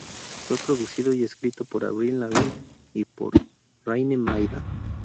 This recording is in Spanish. Fue producido y escrito por Avril Lavigne y por Raine Maida.